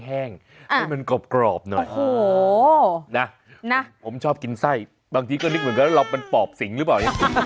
แห้งให้มันกรอบหน่อยโอ้โหนะผมชอบกินไส้บางทีก็นึกเหมือนกันว่าเราเป็นปอบสิงหรือเปล่า